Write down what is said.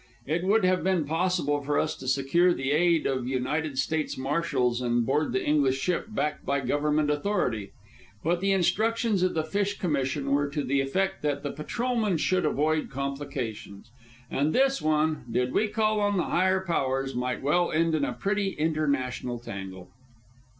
It would have been possible for us to secure the aid of United States marshals and board the English ship, backed by government authority. But the instructions of the Fish Commission were to the effect that the patrolmen should avoid complications, and this one, did we call on the higher powers, might well end in a pretty international tangle.